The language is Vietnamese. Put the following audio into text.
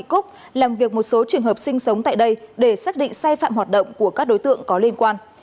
các trường hợp sinh sống tại đây để xác định sai phạm hoạt động của các đối tượng có liên quan